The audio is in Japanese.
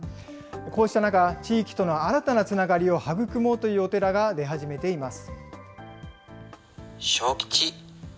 こうした中、地域との新たなつながりを育もうというお寺が出始めています。